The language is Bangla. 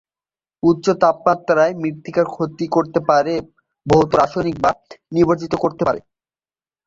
উচ্চ তাপমাত্রা মৃত্তিকার ক্ষতি করতে পারে, ভৌত, রাসায়নিক বা নির্বীজিত করতে পারে।